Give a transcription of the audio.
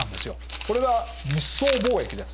これが日宋交易です。